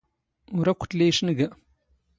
ⵓⵔ ⴰⴽⴽⵯ ⵜⵍⵉ ⵉⵛⵏⴳⴰ.